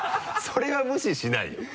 それは無視しないよ。